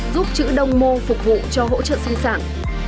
giúp chữ đông mô phục vụ cho hỗ trợ sinh sản